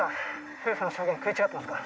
夫婦の証言食い違ってますか？